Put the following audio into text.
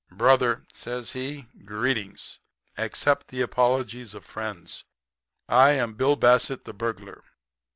"'Brother,' says he, 'greetings! Accept the apologies of friends. I am Bill Bassett, the burglar.